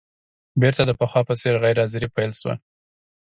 بېرته د پخوا په څېر غیر حاضري پیل شوه.